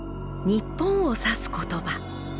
日本を指す言葉。